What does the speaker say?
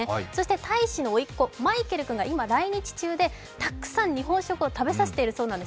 大使のおいっ子、マイケル君が今、来日中でたくさん日本食を食べさせているそうなんです。